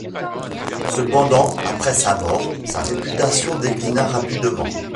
Cependant, après sa mort, sa réputation déclina rapidement.